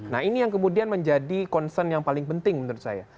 nah ini yang kemudian menjadi concern yang paling penting menurut saya